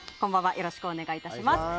よろしくお願いします。